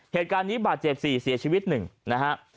เหตุการณ์นี้บาดเจ็บ๔เสียชีวิต๑นะฮะ